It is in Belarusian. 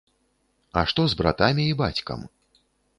А што з братамі і бацькам?